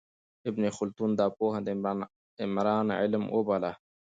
ابن خلدون دا پوهه د عمران علم وباله.